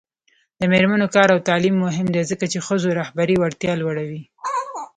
د میرمنو کار او تعلیم مهم دی ځکه چې ښځو رهبري وړتیا لوړوي